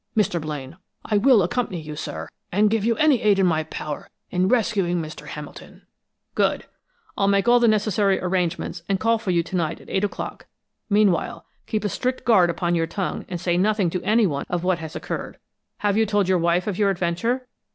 Mr. Blaine, I will accompany you, sir, and give you any aid in my power, in rescuing Mr. Hamilton!" "Good! I'll make all the necessary arrangements and call for you to night at eight o'clock. Meanwhile, keep a strict guard upon your tongue, and say nothing to anyone of what has occurred. Have you told your wife of your adventure?"